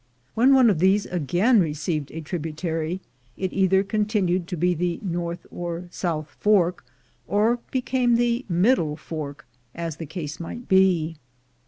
When one of these again received a tributary, it either continued to be the north or south fork, or became the middle fork, as the case might be.